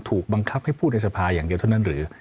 ถูกบังคับให้พูดในสภาอย่างเดียวเท่านั้นหรือ